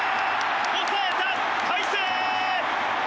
抑えた大勢！